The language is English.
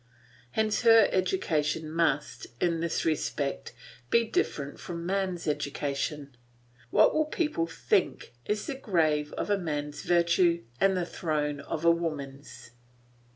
Hence her education must, in this respect, be different from man's education. "What will people think" is the grave of a man's virtue and the throne of a woman's.